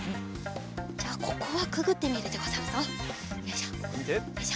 じゃここはくぐってみるでござるぞ。よいしょよいしょ。